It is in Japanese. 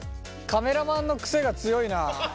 カメラマンの癖が強いなあ。